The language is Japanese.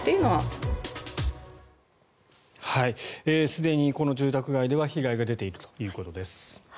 すでにこの住宅街では被害が出ているということです。